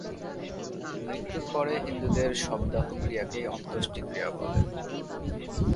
মৃত্যুর পরে হিন্দুদের শবদাহ ক্রিয়াকেই অন্ত্যেষ্টিক্রিয়া বলে।